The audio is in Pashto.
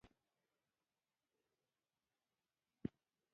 نه شوه لکړه اژدها نه دریاب دوه ځایه شو.